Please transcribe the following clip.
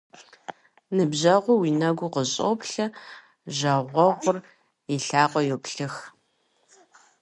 Ныбжьэгъур уи нэгу къыщӏоплъэ, жагъуэгъур и лъакъуэ йоплъых.